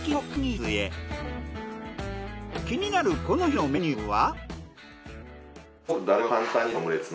気になるこの日のメニューは？